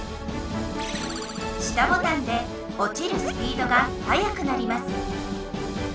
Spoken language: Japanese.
下ボタンでおちるスピードがはやくなります。